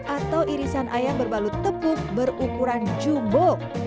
atau irisan ayam berbalut tepuk berukuran jumbo